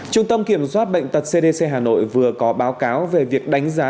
trung tâm kiểm soát bệnh tật cdc hà nội vừa có báo cáo về việc đánh giá